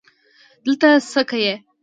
دلته څه که یې